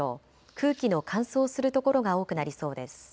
空気の乾燥する所が多くなりそうです。